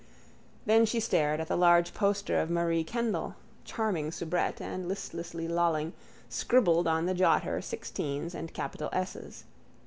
Then she stared at the large poster of Marie Kendall, charming soubrette, and, listlessly lolling, scribbled on the jotter sixteens and capital esses.